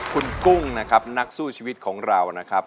คุณกุ้งนะครับนักสู้ชีวิตของเรานะครับ